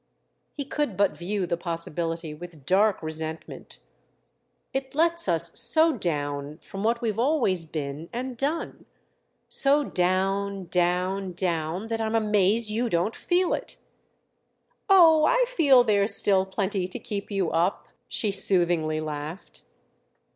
He could but view the possibility with dark resentment. "It lets us so down—from what we've always been and done; so down, down, down that I'm amazed you don't feel it!" "Oh, I feel there's still plenty to keep you up!" she soothingly laughed.